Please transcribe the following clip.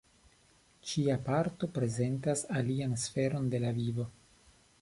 Ĉia parto prezentas alian sferon de la vivo.